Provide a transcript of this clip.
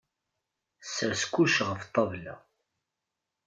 Sers kullec ɣef ṭṭabla!